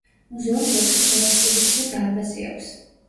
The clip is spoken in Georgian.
მუზეუმს ოთხი საექსპოზიციო დარბაზი აქვს.